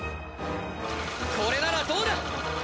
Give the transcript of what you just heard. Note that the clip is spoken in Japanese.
これならどうだ！